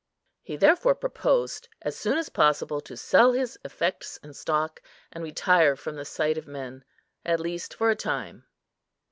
He therefore proposed as soon as possible to sell his effects and stock, and retire from the sight of men, at least for a time.